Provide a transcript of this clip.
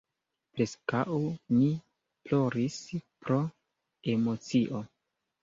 Preskaŭ ni ploris pro emocio.